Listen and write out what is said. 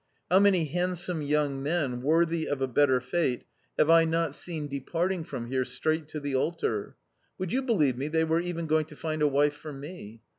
How many handsome young men, worthy of a better fate, have I not seen departing from here straight to the altar!... Would you believe me, they were even going to find a wife for me!